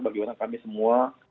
bagaimana kami semua